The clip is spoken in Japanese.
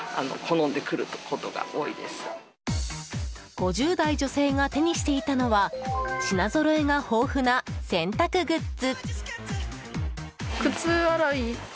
５０代女性が手にしていたのは品ぞろえが豊富な洗濯グッズ。